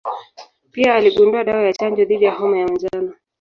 Pia aligundua dawa ya chanjo dhidi ya homa ya manjano.